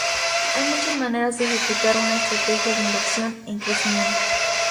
Hay muchas maneras de ejecutar una estrategia de inversión en crecimiento.